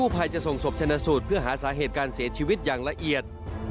พราบผู้เสียชีวิตอย่างละเอียด